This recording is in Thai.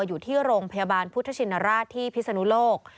อยู่ที่โรงพยาบาลพุทธชินราชที่พิศนุโลก